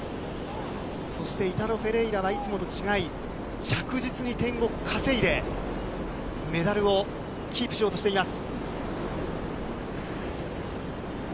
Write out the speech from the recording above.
そして、イタロ・フェレイラはいつもと違い、着実に点を稼いで、メダルをキープしようとしています。